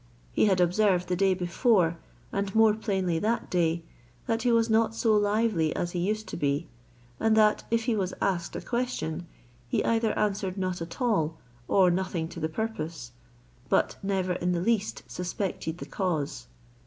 He had observed the day before, and more plainly that day, that he was not so lively as he used to be; and that, if he was asked a question, he either answered not at all, or nothing to the purpose; but never in the least suspected the cause.